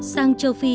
sang châu phi